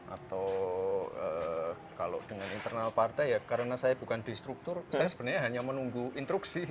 atau kalau dengan internal partai ya karena saya bukan destruktur saya sebenarnya hanya menunggu instruksi